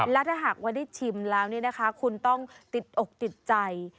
และถ้าหากว่าได้ชิมแล้วนี่นะคะคุณต้องติดอกติดใจ